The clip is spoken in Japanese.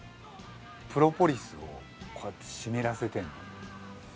プロポリスをこうやって湿らせてんの。